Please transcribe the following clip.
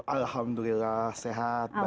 alhamdulillah sehat baik